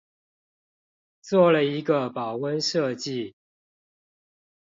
做了一個保溫設計